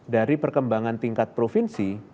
dari perkembangan tingkat provinsi